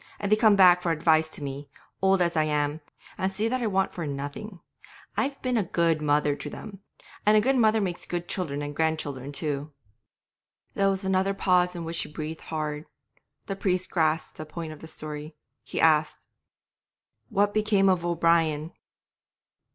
And they come back for advice to me, old as I am, and see that I want for nothing. I've been a good mother to them, and a good mother makes good children and grandchildren too.' There was another pause in which she breathed hard; the priest grasped the point of the story; he asked 'What became of O'Brien?'